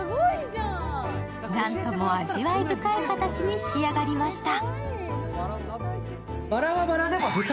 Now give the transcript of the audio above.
何とも味わい深い形に仕上がりました。